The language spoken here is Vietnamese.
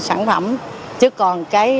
sản phẩm chứ còn cái